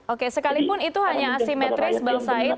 oke sekalipun itu hanya asimetris bang said